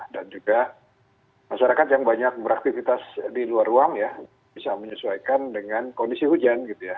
dan juga masyarakat yang banyak beraktivitas di luar ruang ya bisa menyesuaikan dengan kondisi hujan gitu ya